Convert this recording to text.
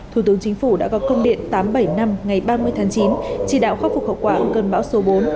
thủ tướng chính phủ đã có công điện tám bảy năm ngày ba mươi tháng chín chỉ đạo khắc phục khẩu quả cơn bão số bốn